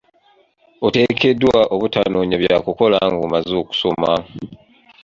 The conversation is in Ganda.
Oteekeddwa obutanoonya bya kukola nga omaze okusoma.